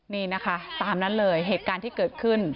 นี่นะคะตามนั้นเลยเหตุการณ์ที่เกิดขึ้น